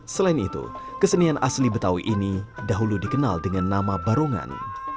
selain itu kesenian asli betawi ini dahulu dikenal dengan nama barongan